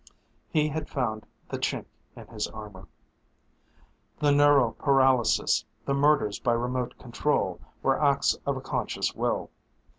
He had found the chink in his armor. The neural paralysis, the murders by remote control, were acts of a conscious will.